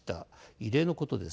異例のことです。